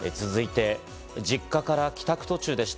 続いて実家から帰宅途中でした。